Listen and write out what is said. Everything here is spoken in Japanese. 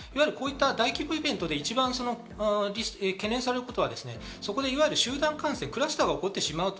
大規模イベントで一番懸念されることは、集団感染、クラスターが起こってしまうこと。